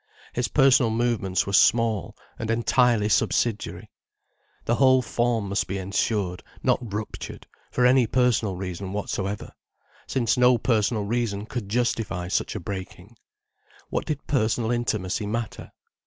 His personal movements were small, and entirely subsidiary. The whole form must be ensured, not ruptured, for any personal reason whatsoever, since no personal reason could justify such a breaking. What did personal intimacy matter?